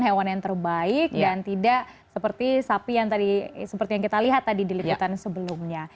hewan yang terbaik dan tidak seperti sapi yang tadi seperti yang kita lihat tadi di liputan sebelumnya